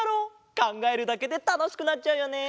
かんがえるだけでたのしくなっちゃうよねえ。